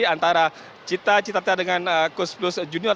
antara cita cita kita dengan kus plus junior